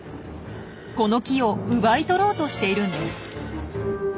この木を奪い取ろうとしているんです。